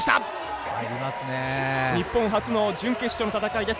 日本初の準決勝の戦いです。